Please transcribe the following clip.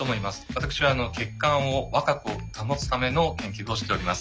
私は血管を若く保つための研究をしております。